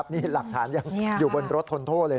นี่หลักฐานยังอยู่บนรถทนโทษเลย